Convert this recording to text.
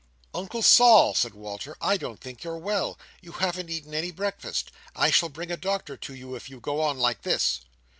"Uncle Sol," said Walter, "I don't think you're well. You haven't eaten any breakfast. I shall bring a doctor to you, if you go on like this."